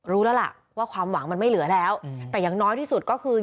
รู้แล้วล่ะว่าความหวังมันไม่เหลือแล้วแต่อย่างน้อยที่สุดก็คือ